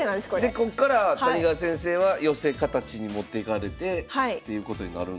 でこっから谷川先生は寄せ形に持っていかれてっていうことになるんですか？